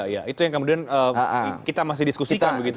ya itu yang kemudian kita masih diskusikan begitu